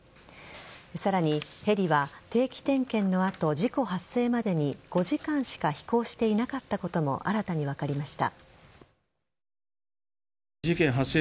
さらに、ヘリは定期点検の後事故発生までに５時間しか飛行していなかったことも新たに分かりました。